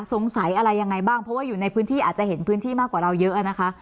สงสัยอะไรยังไงบ้างเพราะว่าอยู่ในพื้นที่อาจจะเห็นพื้นที่มากกว่าเราเยอะนะคะ